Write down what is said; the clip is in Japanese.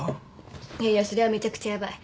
いやいやそれはめちゃくちゃヤバい。